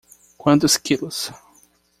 Quantos quilos?